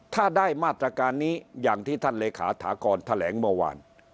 ถ้าได้มาตรการนี้อย่างที่ท่านเลขาถากรแถลงเมื่อวาน